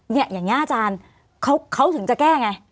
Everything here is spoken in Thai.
อย่างนี้อาจารย์เขาถึงจะแก้ไง